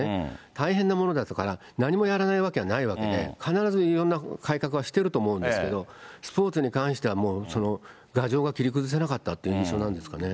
大変なものだから、何もやらないわけはないわけで、必ずいろんな改革はしてると思うんですけど、スポーツに関しては、もう牙城が切り崩せなかったという印象なんですかね。